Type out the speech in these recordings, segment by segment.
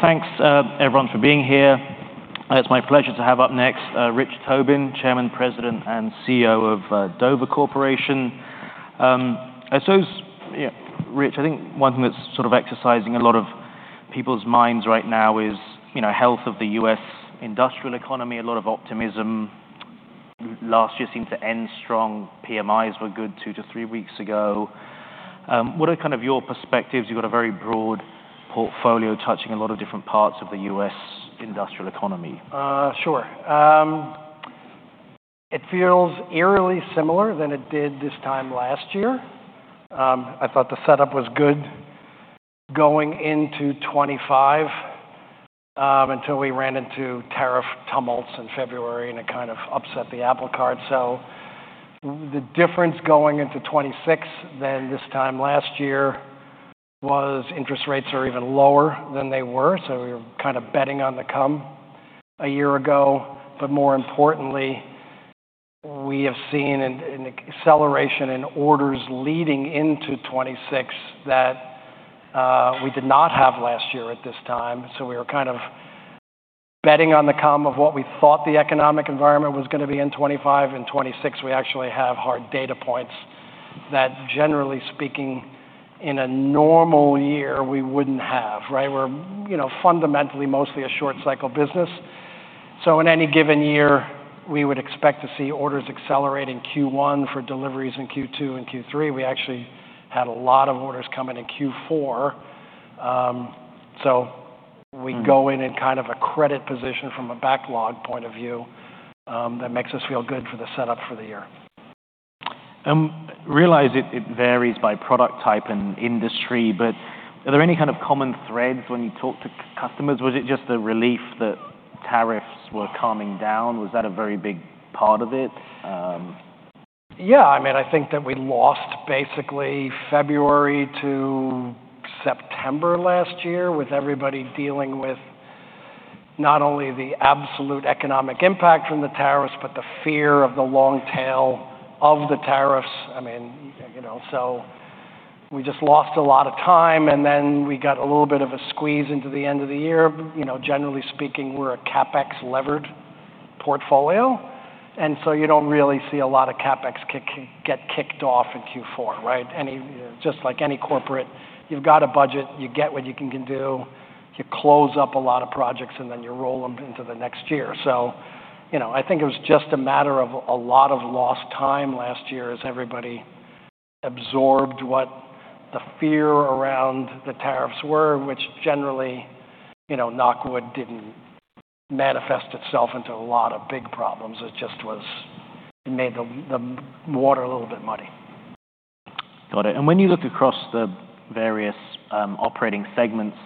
Well, thanks, everyone for being here. It's my pleasure to have up next, Rich Tobin, Chairman, President, and CEO of Dover Corporation. And so, yeah, Rich, I think one thing that's sort of exercising a lot of people's minds right now is, you know, health of the U.S. industrial economy, a lot of optimism. Last year seemed to end strong. PMIs were good two to three weeks ago. What are kind of your perspectives? You've got a very broad portfolio touching a lot of different parts of the U.S. industrial economy. Sure. It feels eerily similar than it did this time last year. I thought the setup was good going into 2025, until we ran into tariff tumults in February, and it kind of upset the apple cart. So the difference going into 2026 than this time last year was interest rates are even lower than they were, so we were kind of betting on the come a year ago. But more importantly, we have seen an acceleration in orders leading into 2026 that we did not have last year at this time. So we were kind of betting on the come of what we thought the economic environment was gonna be in 2025. In 2026, we actually have hard data points that, generally speaking, in a normal year, we wouldn't have, right? We're, you know, fundamentally mostly a short cycle business. In any given year, we would expect to see orders accelerate in Q1 for deliveries in Q2 and Q3. We actually had a lot of orders come in in Q4. Mm-hmm... we go in kind of a credit position from a backlog point of view, that makes us feel good for the setup for the year. Realize it, it varies by product type and industry, but are there any kind of common threads when you talk to customers? Was it just the relief that tariffs were calming down? Was that a very big part of it? Yeah, I mean, I think that we lost basically February to September last year, with everybody dealing with not only the absolute economic impact from the tariffs, but the fear of the long tail of the tariffs. I mean, you know, so we just lost a lot of time, and then we got a little bit of a squeeze into the end of the year. You know, generally speaking, we're a CapEx-levered portfolio, and so you don't really see a lot of CapEx get kicked off in Q4, right? Just like any corporate, you've got a budget, you get what you can do, you close up a lot of projects, and then you roll them into the next year. You know, I think it was just a matter of a lot of lost time last year as everybody absorbed what the fear around the tariffs were, which generally, you know, knock on wood, didn't manifest itself into a lot of big problems. It made the water a little bit muddy. Got it. And when you look across the various operating segments,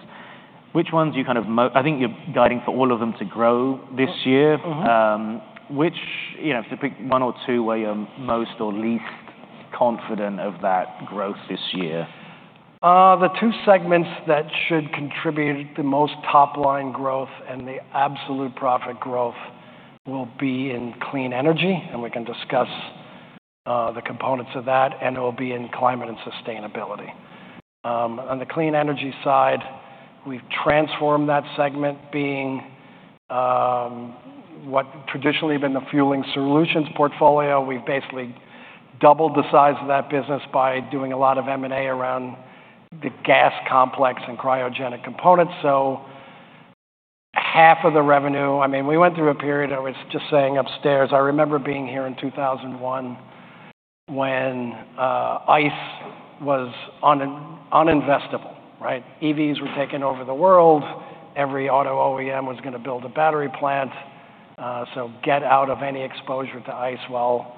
which ones you kind of, I think you're guiding for all of them to grow this year. Mm-hmm. Which, you know, if you pick one or two, where you're most or least confident of that growth this year? The two segments that should contribute the most top-line growth and the absolute profit growth will be in Clean Energy, and we can discuss the components of that, and it will be in Climate and Sustainability. On the Clean Energy side, we've transformed that segment, being what traditionally been the Fueling Solutions portfolio. We've basically doubled the size of that business by doing a lot of M&A around the gas complex and cryogenic components. So half of the revenue... I mean, we went through a period, I was just saying upstairs, I remember being here in 2001 when ICE was uninvestable, right? EVs were taking over the world. Every auto OEM was gonna build a battery plant, so get out of any exposure to ICE. Well,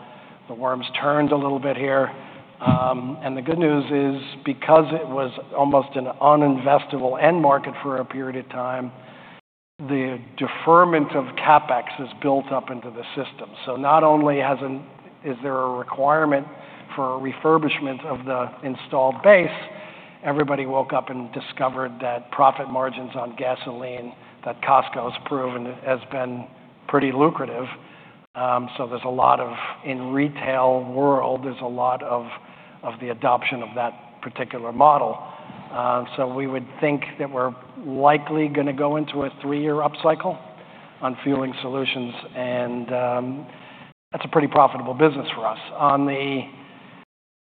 the worms turned a little bit here. And the good news is, because it was almost an uninvestable end market for a period of time, the deferment of CapEx has built up into the system. So not only is there a requirement for refurbishment of the installed base, everybody woke up and discovered that profit margins on gasoline, that Costco has proven, has been pretty lucrative. So there's a lot of... In retail world, there's a lot of, of the adoption of that particular model. So we would think that we're likely gonna go into a three-year upcycle on Fueling Solutions, and, that's a pretty profitable business for us. On the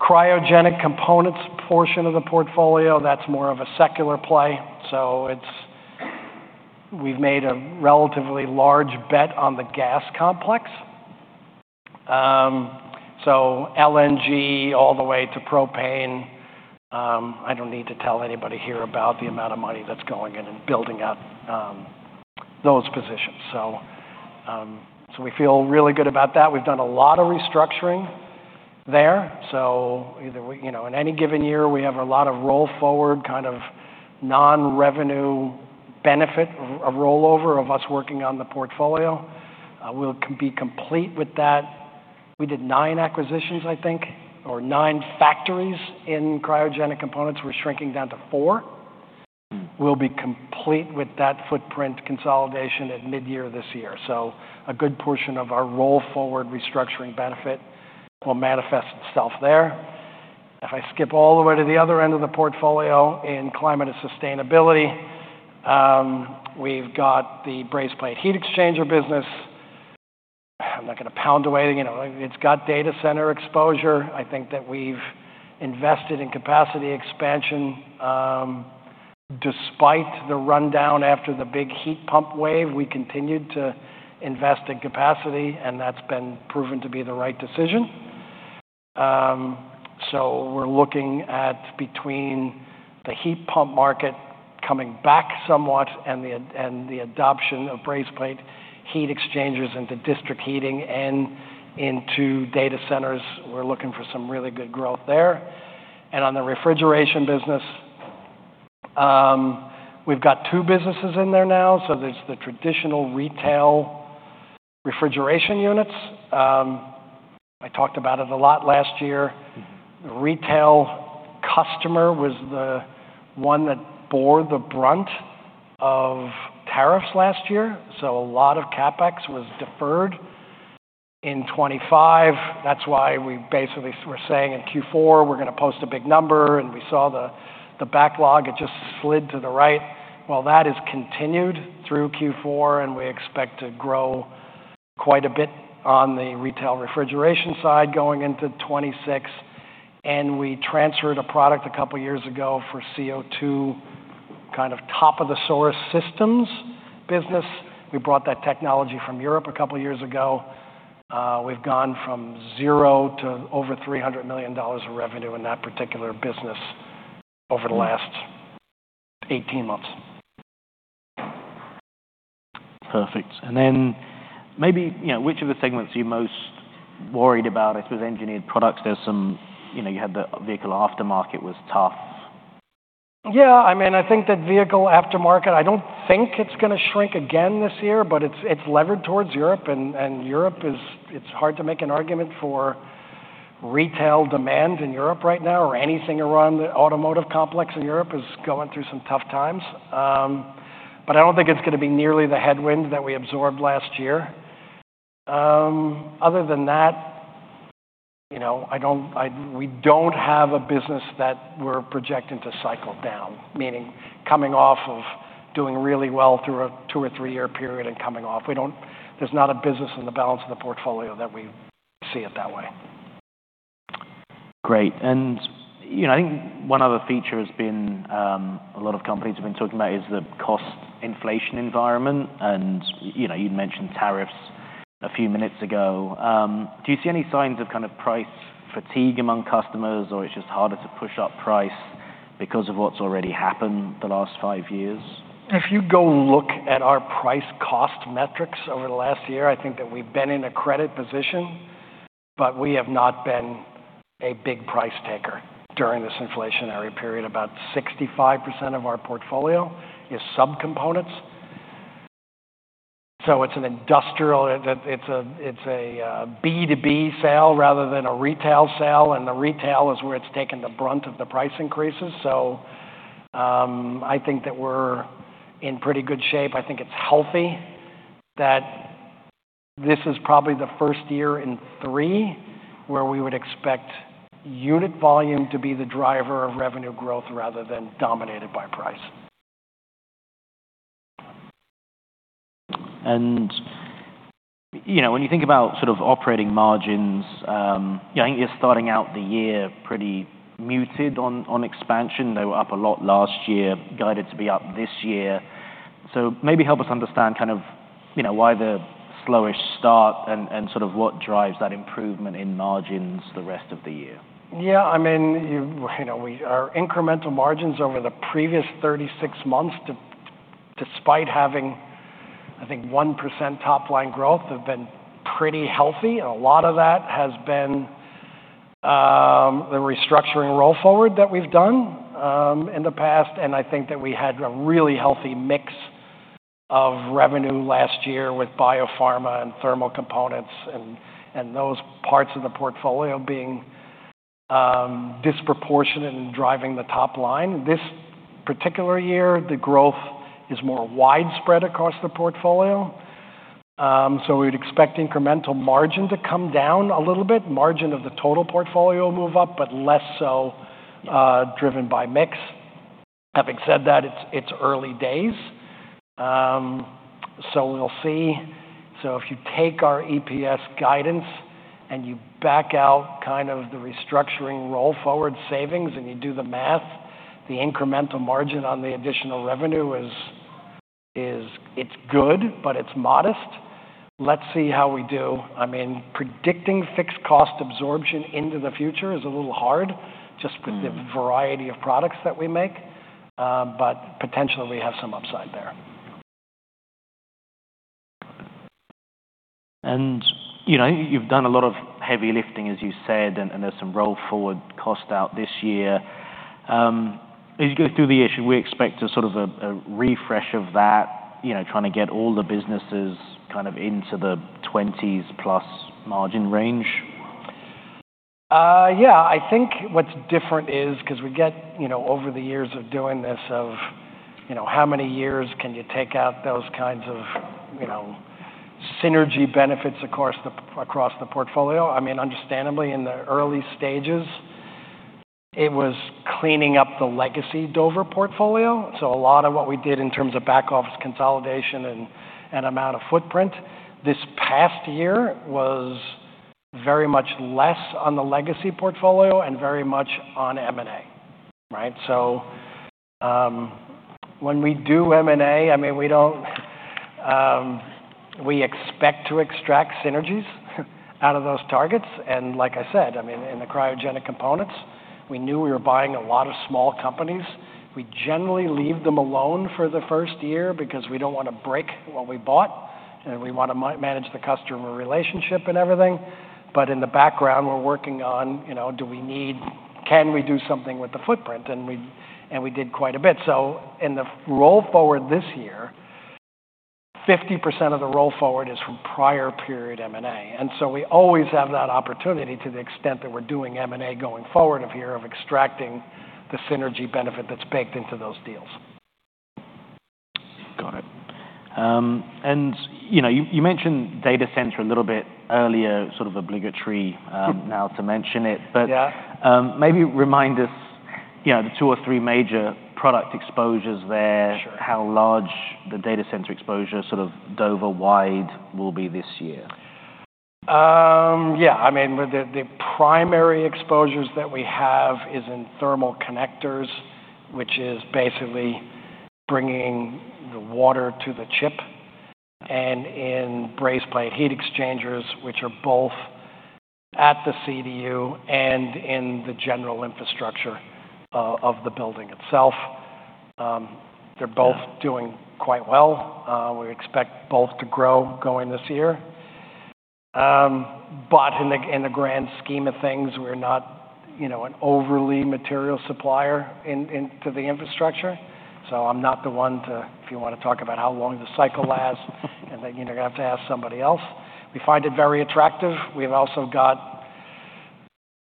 cryogenic components portion of the portfolio, that's more of a secular play, so we've made a relatively large bet on the gas complex. So LNG all the way to propane, I don't need to tell anybody here about the amount of money that's going in and building out those positions. So, so we feel really good about that. We've done a lot of restructuring there. So either we, you know, in any given year, we have a lot of roll forward, kind of non-revenue benefit, a rollover of us working on the portfolio. We'll be complete with that. We did nine acquisitions, I think, or nine factories in cryogenic components. We're shrinking down to four. Mm. We'll be complete with that footprint consolidation at midyear this year. So a good portion of our roll-forward restructuring benefit will manifest itself there. If I skip all the way to the other end of the portfolio in climate and sustainability, we've got the brazed plate heat exchanger business. I'm not gonna pound away, you know, it's got data center exposure. I think that we've invested in capacity expansion. Despite the rundown after the big heat pump wave, we continued to invest in capacity, and that's been proven to be the right decision. So we're looking at between the heat pump market coming back somewhat and the, and the adoption of brazed plate heat exchangers into district heating and into data centers. We're looking for some really good growth there. And on the refrigeration business, we've got two businesses in there now. So there's the traditional retail refrigeration units. I talked about it a lot last year. Retail customer was the one that bore the brunt of tariffs last year, so a lot of CapEx was deferred in 2025. That's why we basically were saying in Q4, we're gonna post a big number, and we saw the backlog, it just slid to the right. Well, that has continued through Q4, and we expect to grow quite a bit on the retail refrigeration side going into 2026. And we transferred a product a couple of years ago for CO2, kind of top-of-the-source systems business. We brought that technology from Europe a couple of years ago. We've gone from zero to over $300 million of revenue in that particular business over the last 18 months. Perfect. And then maybe, you know, which of the segments are you most worried about? I suppose Engineered Products, there's some, you know, you had the vehicle aftermarket was tough. Yeah, I mean, I think that vehicle aftermarket, I don't think it's gonna shrink again this year, but it's levered towards Europe, and Europe is, it's hard to make an argument for retail demand in Europe right now, or anything around the automotive complex in Europe is going through some tough times. But I don't think it's gonna be nearly the headwind that we absorbed last year. Other than that, you know, I don't, we don't have a business that we're projecting to cycle down, meaning coming off of doing really well through a two or three-year period and coming off. We don't, there's not a business in the balance of the portfolio that we see it that way. Great. You know, I think one other feature has been a lot of companies have been talking about is the cost inflation environment, and, you know, you'd mentioned tariffs a few minutes ago. Do you see any signs of kind of price fatigue among customers, or it's just harder to push up price because of what's already happened the last five years? If you go look at our price-cost metrics over the last year, I think that we've been in a credit position, but we have not been a big price taker during this inflationary period. About 65% of our portfolio is subcomponents, so it's an industrial B2B sale rather than a retail sale, and the retail is where it's taken the brunt of the price increases. So, I think that we're in pretty good shape. I think it's healthy that this is probably the first year in three where we would expect unit volume to be the driver of revenue growth rather than dominated by price. You know, when you think about sort of operating margins, yeah, I think you're starting out the year pretty muted on expansion. They were up a lot last year, guided to be up this year. So maybe help us understand kind of, you know, why the slowish start and sort of what drives that improvement in margins the rest of the year. Yeah, I mean, you know, we— our incremental margins over the previous 36 months, despite having, I think, 1% top-line growth, have been pretty healthy. And a lot of that has been the restructuring roll forward that we've done in the past, and I think that we had a really healthy mix of revenue last year with biopharma and thermal components and those parts of the portfolio being disproportionate in driving the top line. This particular year, the growth is more widespread across the portfolio, so we'd expect incremental margin to come down a little bit. Margin of the total portfolio will move up, but less so, driven by mix. Having said that, it's early days, so we'll see. So if you take our EPS guidance and you back out kind of the restructuring roll-forward savings and you do the math, the incremental margin on the additional revenue is, it's good, but it's modest. Let's see how we do. I mean, predicting fixed cost absorption into the future is a little hard, just with the variety of products that we make, but potentially, we have some upside there. You know, you've done a lot of heavy lifting, as you said, and there's some roll forward cost out this year. As you go through the year, should we expect a sort of a refresh of that, you know, trying to get all the businesses kind of into the 20s+ margin range? Yeah, I think what's different is because we get, you know, over the years of doing this, you know, how many years can you take out those kinds of, you know, synergy benefits across the portfolio. I mean, understandably, in the early stages, it was cleaning up the legacy Dover portfolio. So a lot of what we did in terms of back office consolidation and amount of footprint this past year was very much less on the legacy portfolio and very much on M&A, right? So, when we do M&A, I mean, we expect to extract synergies out of those targets. And like I said, I mean, in the cryogenic components, we knew we were buying a lot of small companies. We generally leave them alone for the first year because we don't wanna break what we bought, and we wanna manage the customer relationship and everything. But in the background, we're working on, you know, do we need, can we do something with the footprint? And we, and we did quite a bit. So in the roll forward this year, 50% of the roll forward is from prior period M&A. And so we always have that opportunity to the extent that we're doing M&A going forward of here, of extracting the synergy benefit that's baked into those deals. Got it. You know, you mentioned data center a little bit earlier, sort of obligatory, now to mention it. Yeah. But, maybe remind us, you know, the two or three major product exposures there- Sure. How large the data center exposure, sort of Dover-wide, will be this year? Yeah, I mean, the primary exposures that we have is in thermal connectors, which is basically bringing the water to the chip, and in brazed plate heat exchangers, which are both at the CDU and in the general infrastructure of the building itself. Yeah. They're both doing quite well. We expect both to grow going this year. But in the grand scheme of things, we're not, you know, an overly material supplier in to the infrastructure. So I'm not the one to... If you wanna talk about how long the cycle lasts, then, you know, you're gonna have to ask somebody else. We find it very attractive. We've also got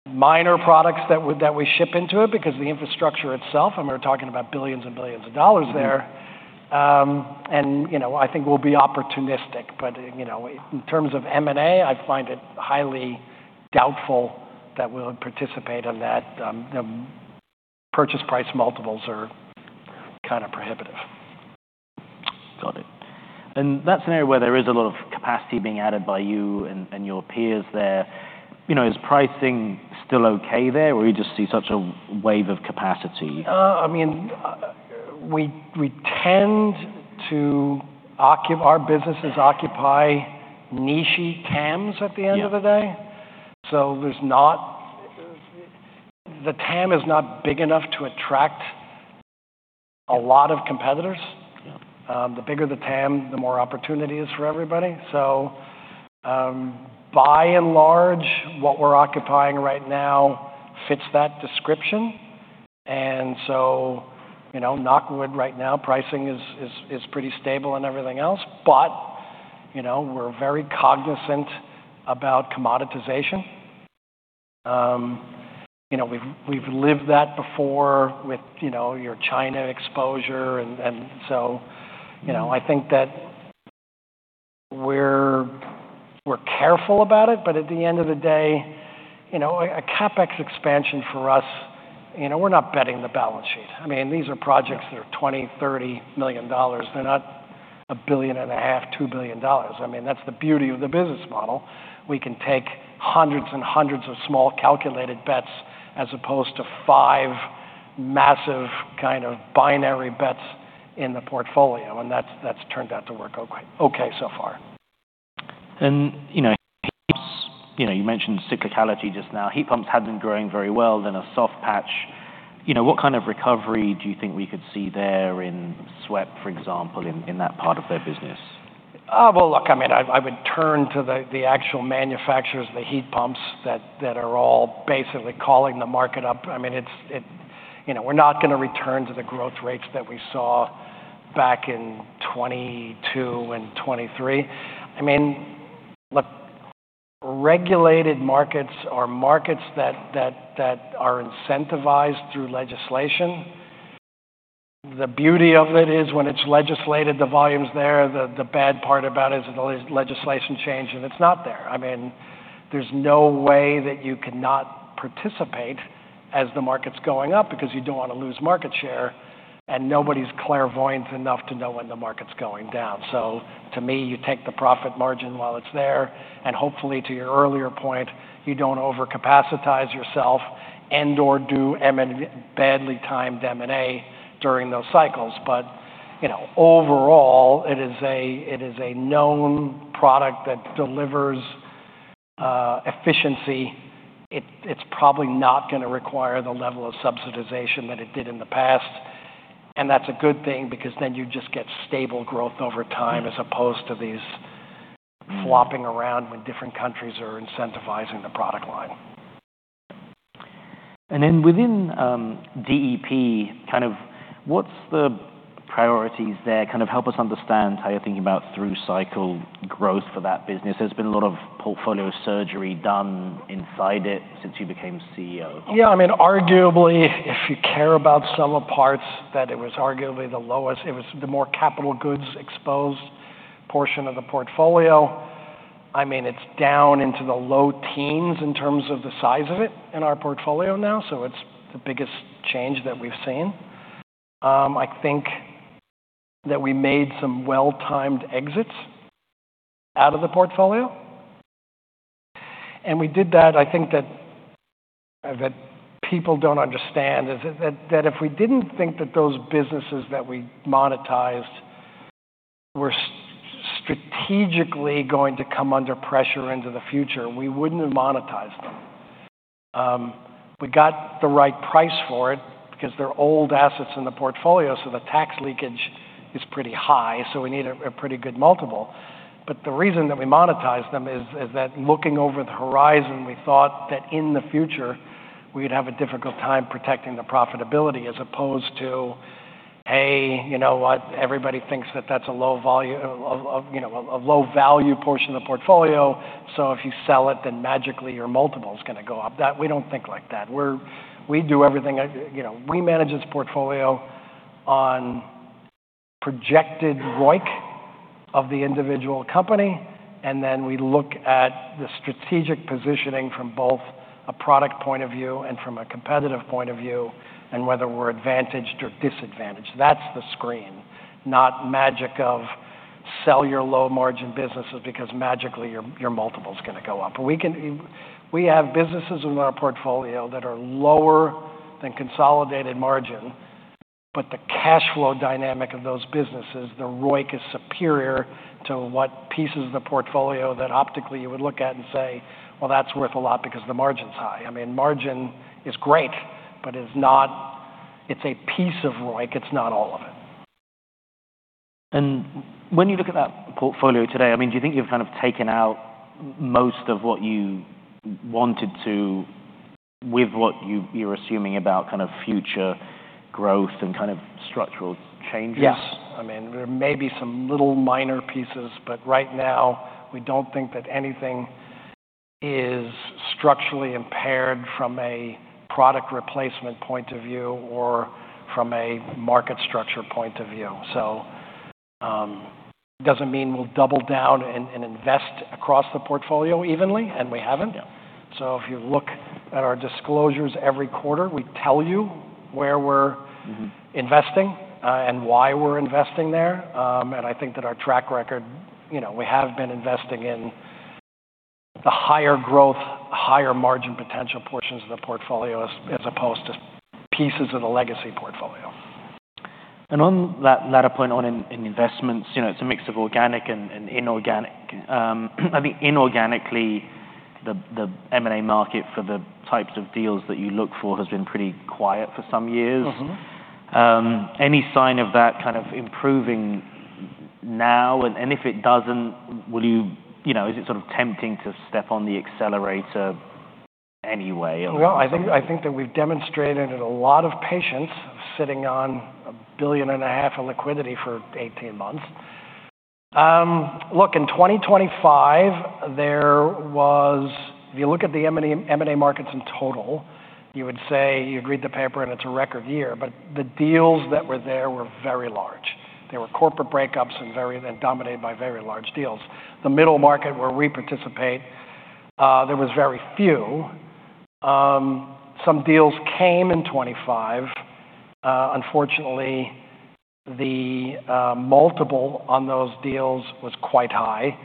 minor products that we ship into it because the infrastructure itself, and we're talking about billions and billions of dollars there. Mm-hmm. And you know, I think we'll be opportunistic. But you know, in terms of M&A, I find it highly doubtful that we'll participate on that. The purchase price multiples are kind of prohibitive. Got it. That's an area where there is a lot of capacity being added by you and your peers there. You know, is pricing still okay there, or you just see such a wave of capacity? I mean, our businesses occupy niche-y TAMs at the end of the day. Yeah. The TAM is not big enough to attract a lot of competitors. Yeah. The bigger the TAM, the more opportunity is for everybody. So, by and large, what we're occupying right now fits that description. And so, you know, knock on wood, right now, pricing is pretty stable and everything else. But, you know, we're very cognizant about commoditization. You know, we've lived that before with, you know, your China exposure and so, you know, I think that we're careful about it, but at the end of the day, you know, a CapEx expansion for us, you know, we're not betting the balance sheet. I mean, these are projects that are $20 million-$30 million. They're not $1.5 billion-$2 billion. I mean, that's the beauty of the business model. We can take hundreds and hundreds of small calculated bets as opposed to five massive kind of binary bets in the portfolio, and that's turned out to work okay so far. You know, heat pumps, you know, you mentioned cyclicality just now. Heat pumps hadn't been growing very well, then a soft patch. You know, what kind of recovery do you think we could see there in SWEP, for example, in that part of their business? Well, look, I mean, I would turn to the actual manufacturers of the heat pumps that are all basically calling the market up. I mean, it's... You know, we're not gonna return to the growth rates that we saw back in 2022 and 2023. I mean, look, regulated markets or markets that are incentivized through legislation, the beauty of it is when it's legislated, the volume's there. The bad part about it is the legislation change, and it's not there. I mean, there's no way that you cannot participate as the market's going up because you don't want to lose market share, and nobody's clairvoyant enough to know when the market's going down. So to me, you take the profit margin while it's there, and hopefully, to your earlier point, you don't over-capacitize yourself and/or do M&A, badly timed M&A during those cycles. But, you know, overall, it is a, it is a known product that delivers efficiency. It, it's probably not gonna require the level of subsidization that it did in the past, and that's a good thing because then you just get stable growth over time. Mm. as opposed to these flopping around when different countries are incentivizing the product line. And then within DEP, kind of what's the priorities there? Kind of help us understand how you're thinking about through-cycle growth for that business. There's been a lot of portfolio surgery done inside it since you became CEO. Yeah, I mean, arguably, if you care about sum-of-the-parts, that it was arguably the lowest. It was the more capital goods exposed portion of the portfolio. I mean, it's down into the low teens in terms of the size of it in our portfolio now, so it's the biggest change that we've seen. I think that we made some well-timed exits out of the portfolio. And we did that. I think that people don't understand is that if we didn't think that those businesses that we monetized were strategically going to come under pressure into the future, we wouldn't have monetized them. We got the right price for it because they're old assets in the portfolio, so the tax leakage is pretty high, so we need a pretty good multiple. But the reason that we monetized them is that looking over the horizon, we thought that in the future, we'd have a difficult time protecting the profitability, as opposed to, "Hey, you know what? Everybody thinks that that's a low volume of, you know, a low-value portion of the portfolio, so if you sell it, then magically, your multiple is gonna go up." That. We don't think like that. We do everything, you know, we manage this portfolio on projected ROIC of the individual company, and then we look at the strategic positioning from both a product point of view and from a competitive point of view, and whether we're advantaged or disadvantaged. That's the screen, not magic of sell your low-margin businesses because magically, your multiple is gonna go up. We have businesses in our portfolio that are lower than consolidated margin, but the cash flow dynamic of those businesses, the ROIC, is superior to what pieces of the portfolio that optically you would look at and say, "Well, that's worth a lot because the margin's high." I mean, margin is great, but it's not, it's a piece of ROIC, it's not all of it. When you look at that portfolio today, I mean, do you think you've kind of taken out most of what you wanted to with what you're assuming about kind of future growth and kind of structural changes? Yeah. I mean, there may be some little minor pieces, but right now, we don't think that anything is structurally impaired from a product replacement point of view or from a market structure point of view. So, doesn't mean we'll double down and invest across the portfolio evenly, and we haven't. Yeah. If you look at our disclosures every quarter, we tell you where we're- Mm-hmm. -investing, and why we're investing there. And I think that our track record, you know, we have been investing in the higher growth, higher margin potential portions of the portfolio as opposed to pieces of the legacy portfolio. And on that latter point in investments, you know, it's a mix of organic and inorganic. I think inorganically, the M&A market for the types of deals that you look for has been pretty quiet for some years. Mm-hmm. Any sign of that kind of improving now? And, if it doesn't, will you... You know, is it sort of tempting to step on the accelerator anyway or- Well, I think that we've demonstrated a lot of patience sitting on $1.5 billion of liquidity for 18 months. Look, in 2025, there was. If you look at the M&A markets in total, you would say you read the paper, and it's a record year, but the deals that were there were very large. They were corporate breakups and very, then dominated by very large deals. The middle market, where we participate, there was very few. Some deals came in 2025. Unfortunately, the multiple on those deals was quite high,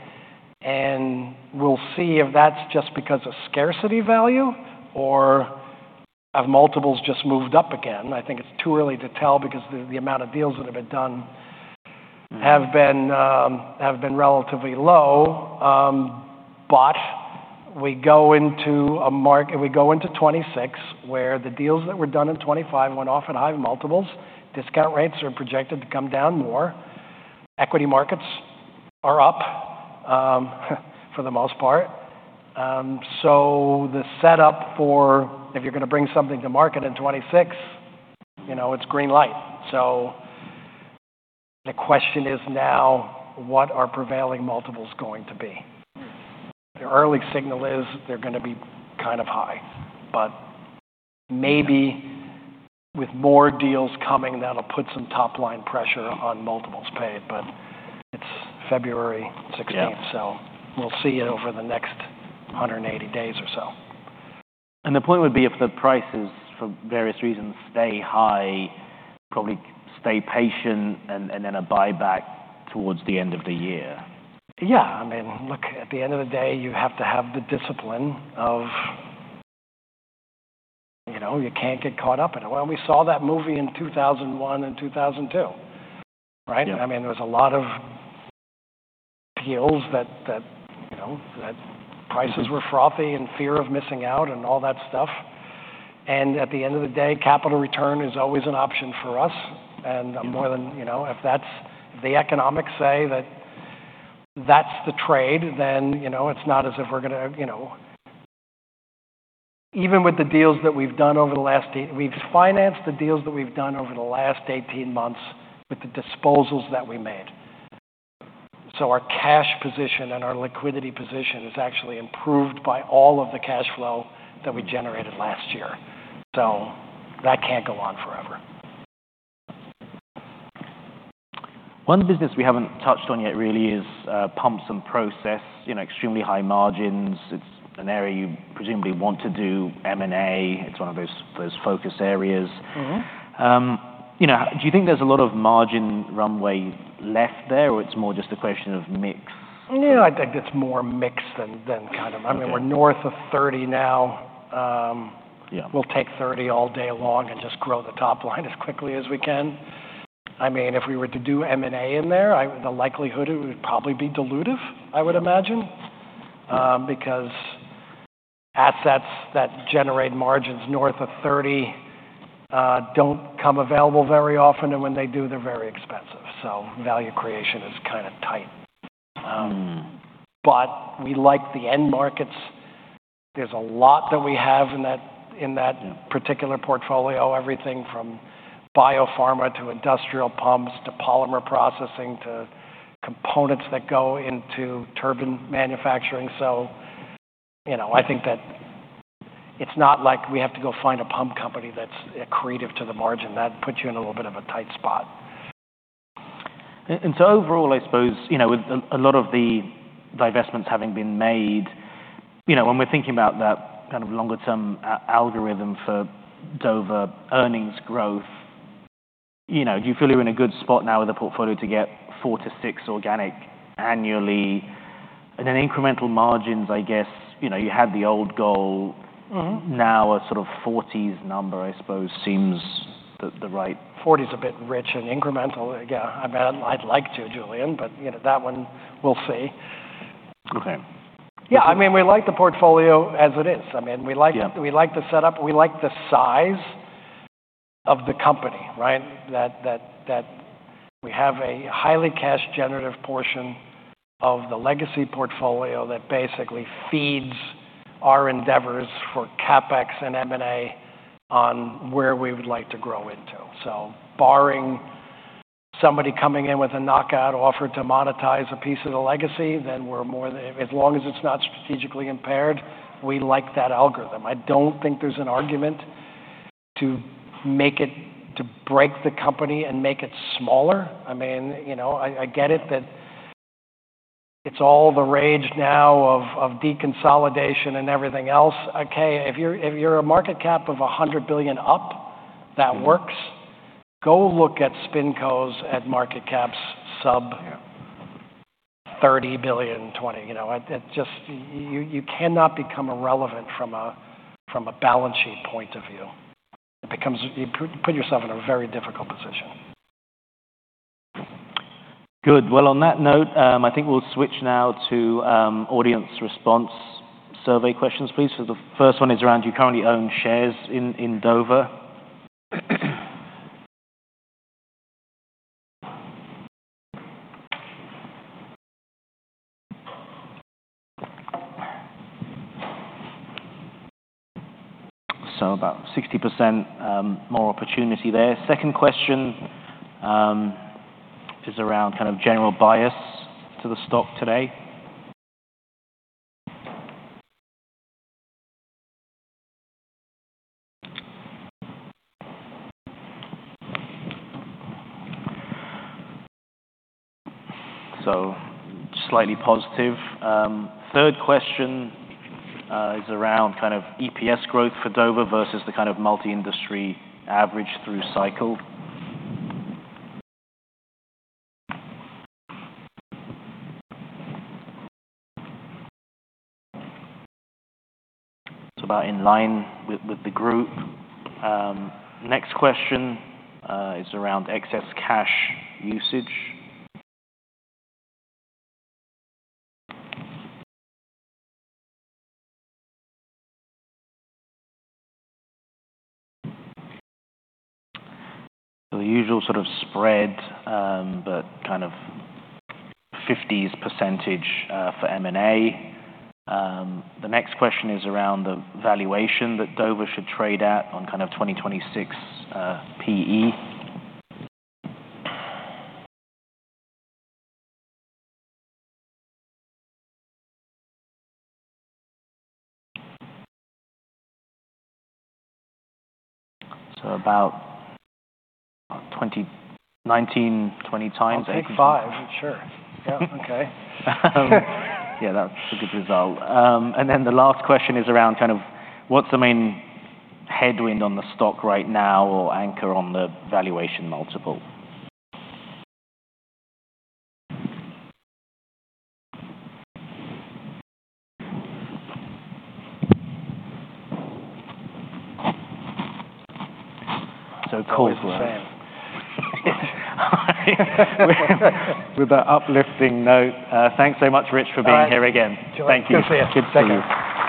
and we'll see if that's just because of scarcity value or have multiples just moved up again. I think it's too early to tell because the amount of deals that have been done- Mm-hmm... have been relatively low. But we go into 2026, where the deals that were done in 2025 went off at high multiples. Discount rates are projected to come down more. Equity markets are up, for the most part. So the setup for if you're gonna bring something to market in 2026, you know, it's green light. So the question is now, what are prevailing multiples going to be? The early signal is they're gonna be kind of high, but maybe with more deals coming, that'll put some top-line pressure on multiples paid. But it's February sixteenth- Yeah... so we'll see it over the next 180 days or so. The point would be if the prices, for various reasons, stay high, probably stay patient and then a buyback towards the end of the year. Yeah. I mean, look, at the end of the day, you have to have the discipline of, you know, you can't get caught up in it. Well, we saw that movie in 2001 and 2002, right? Yeah. I mean, there was a lot of deals that, you know, that prices were frothy and fear of missing out and all that stuff. And at the end of the day, capital return is always an option for us. Mm-hmm. You know, if that's the economics say that that's the trade, then, you know, it's not as if we're gonna, you know... Even with the deals that we've done over the last eight—we've financed the deals that we've done over the last 18 months with the disposals that we made. So our cash position and our liquidity position is actually improved by all of the cash flow that we generated last year. So that can't go on forever.... One business we haven't touched on yet really is Pumps and Process, you know, extremely high margins. It's an area you presumably want to do M&A. It's one of those focus areas. Mm-hmm. You know, do you think there's a lot of margin runway left there, or it's more just a question of mix? Yeah, I think it's more mix than kind of- Okay. I mean, we're north of 30 now. Yeah. We'll take 30 all day long and just grow the top line as quickly as we can. I mean, if we were to do M&A in there, I, the likelihood, it would probably be dilutive, I would imagine. Yeah. Because assets that generate margins north of 30 don't come available very often, and when they do, they're very expensive. So value creation is kind of tight. Mm. But we like the end markets. There's a lot that we have in that, in that particular portfolio, everything from biopharma to industrial pumps to polymer processing to components that go into turbine manufacturing. So, you know, I think that it's not like we have to go find a pump company that's accretive to the margin. That puts you in a little bit of a tight spot. So overall, I suppose, you know, with a lot of the divestments having been made, you know, when we're thinking about that kind of longer-term algorithm for Dover earnings growth, you know, do you feel you're in a good spot now with the portfolio to get four to six organic annually? And then incremental margins, I guess, you know, you had the old goal- Mm-hmm. now a sort of forties number, I suppose, seems the right- Forties a bit rich and incremental. Yeah, I mean, I'd like to, Julian, but, you know, that one, we'll see. Okay. Yeah, I mean, we like the portfolio as it is. I mean- Yeah... we like, we like the setup, we like the size of the company, right? That, that, that we have a highly cash generative portion of the legacy portfolio that basically feeds our endeavors for CapEx and M&A on where we would like to grow into. So barring somebody coming in with a knockout offer to monetize a piece of the legacy, then we're more than- as long as it's not strategically impaired, we like that algorithm. I don't think there's an argument to make it, to break the company and make it smaller. I mean, you know, I, I get it that it's all the rage now of, of deconsolidation and everything else. Okay, if you're, if you're a market cap of $100 billion up, that works. Mm-hmm. Go look at spin cos at market caps sub- Yeah $30 billion, 20. You know, it just... You cannot become irrelevant from a balance sheet point of view. It becomes, you put yourself in a very difficult position. Good. Well, on that note, I think we'll switch now to, audience response survey questions, please. So the first one is around, do you currently own shares in, in Dover? So about 60%, more opportunity there. Second question, is around kind of general bias to the stock today. So slightly positive. Third question, is around kind of EPS growth for Dover versus the kind of multi-industry average through cycle. So about in line with, with the group. Next question, is around excess cash usage. So the usual sort of spread, but kind of 50%s, for M&A. The next question is around the valuation that Dover should trade at on kind of 2026, PE. So about 20, 19, 20 times- I'll take 5. Sure. Yeah. Okay. Yeah, that's a good result. And then the last question is around kind of what's the main headwind on the stock right now or anchor on the valuation multiple? So Conglomerate... Always the same. With the uplifting note, thanks so much, Rich, for being here again. All right. Thank you. Good to see you. Thank you.